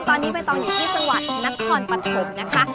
ตอนนี้ใบตองอยู่ที่จังหวัดนครปฐมนะคะ